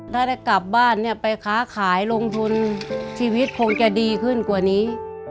ถ้าได้กลับบ้านเนี่ยไปค้าขายลงทุนชีวิตคงจะดีขึ้นกว่านี้